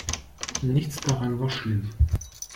Nichts daran war schlimm.